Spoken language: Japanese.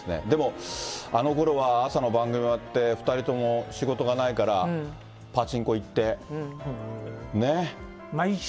でもあのころは朝の番組終わって、２人とも仕事がないからパチンコ行ってねぇ。